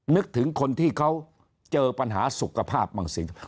นึกถึงคนที่เขาเจอปัญหาสุขภาพบางสิ่ง